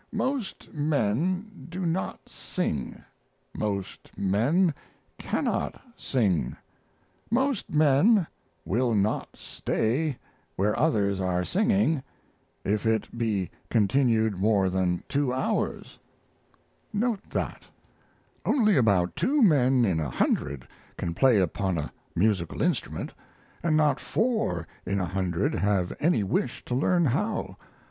Most, men do not sing, most men cannot sing, most men will not stay where others are singing if it be continued more than two hours. Note that. Only about two men in a hundred can play upon a musical instrument, and not four in a hundred have any wish to learn how.